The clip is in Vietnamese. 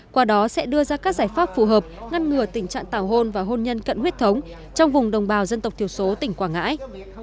qua đó sẽ đưa ra các giải pháp phù hợp ngăn ngừa tình trạng tảo hôn và hôn nhân cận huyết thống trong vùng đồng bào dân tộc thiểu số tỉnh quảng ngãi